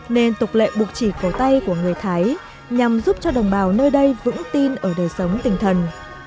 nên tục lệ buộc chỉ cổ tay của người thái nhằm giúp cho đồng bào nơi đây vững tin ở đời sống tinh thần